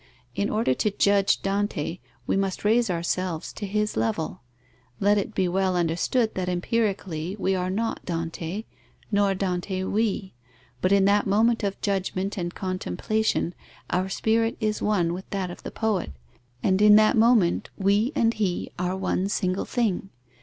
In order to judge Dante, we must raise ourselves to his level: let it be well understood that empirically we are not Dante, nor Dante we; but in that moment of judgment and contemplation, our spirit is one with that of the poet, and in that moment we and he are one single thing.